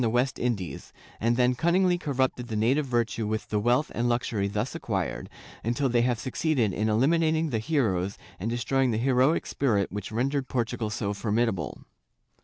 292 JEWS [Book Vm West Indies, and then cunningly corrupted the native virtue with the wealth and luxury thus acquired, until they have succeeded in ehminating the heroes and destroying the heroic spirit which rendered Portugal so formidable.